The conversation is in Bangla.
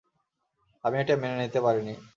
আমি এটা মেনে নিতে পারিনি।